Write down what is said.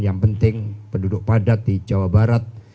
yang penting penduduk padat di jawa barat